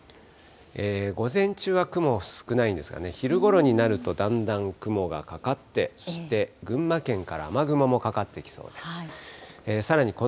午前中は雲少ないんですがね、昼ごろになるとだんだん雲がかかって、そして群馬県から雨雲もかかってきそうです。